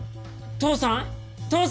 父さん！